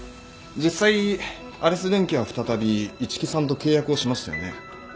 実際アレス電機は再び一木さんと契約をしましたよね。